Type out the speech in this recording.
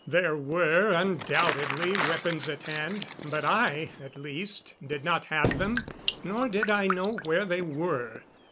There were undoubtedly weapons at hand, but I at least did not have them, nor did I know where they were.